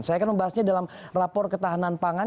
saya akan membahasnya dalam rapor ketahanan pangan